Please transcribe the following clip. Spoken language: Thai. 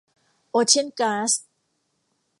โอเชียนกลาส